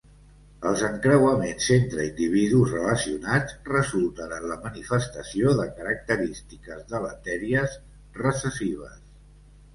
Els encreuaments entre individus relacionats resulten en la manifestació de característiques deletèries recessives.